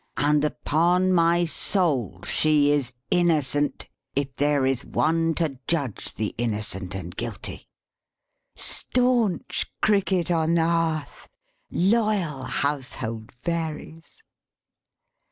And upon my soul she is innocent, if there is One to judge the innocent and guilty!" Staunch Cricket on the Hearth! Loyal household Fairies!